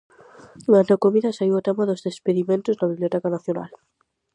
Durante a comida saíu o tema dos despedimentos na biblioteca nacional.